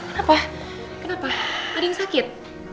kenapa kenapa ada yang sakit